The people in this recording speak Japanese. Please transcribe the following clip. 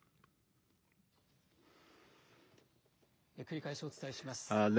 繰り返しお伝えします。